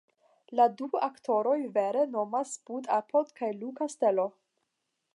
La du aktoroj vere nomas Bud Abbott kaj Lou Castello.